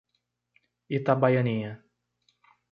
Itabaianinha